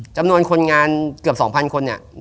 จำนวนคนงานเกือบ๒๐๐คนเนี่ย